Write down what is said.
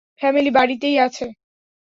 Family বাড়িতেই আছে?